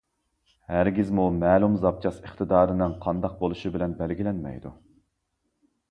ھەرگىزمۇ مەلۇم زاپچاس ئىقتىدارىنىڭ قانداق بولۇشى بىلەن بەلگىلەنمەيدۇ.